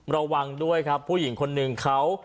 ระวังด้วยครับผู้หญิงคนหนึ่งเขา